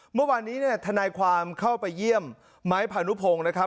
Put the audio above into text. เมื่อวานนี้เนี่ยทนายความเข้าไปเยี่ยมไม้พานุพงศ์นะครับ